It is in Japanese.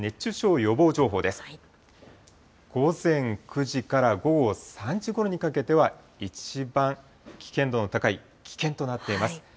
午前９時から午後３時ごろにかけては、一番危険度の高い、危険となっています。